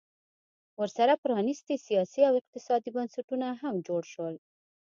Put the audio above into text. ورسره پرانیستي سیاسي او اقتصادي بنسټونه هم جوړ شول